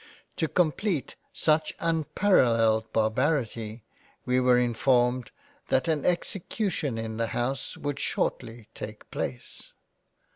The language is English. To compleat such un paralelled Barbarity we were informed that an Execution in the Hou?e would shortly take place.